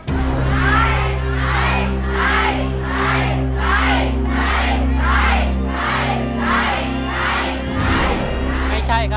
จะใช้หรือไม่ใช้ครับ